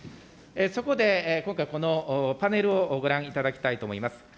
そこで今回、このパネルをご覧いただきたいと思います。